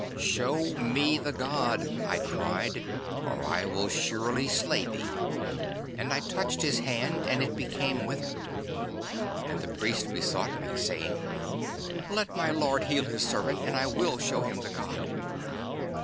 '"Show me the god," I cried, "or I will surely slay thee." And I touched his hand, and it became withered. 'And the priest besought me, saying, "Let my lord heal his servant, and I will show him the god."